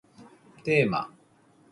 テーマ